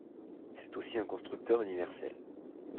C'est aussi un constructeur universel.